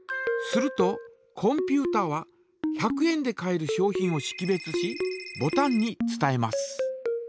するとコンピュータは１００円で買える商品をしき別しボタンに伝えます。